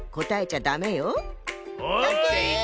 オッケー！